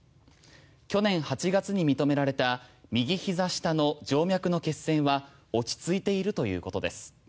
去年８月に認められた右ひざ下の静脈の血栓は落ち着いているということです。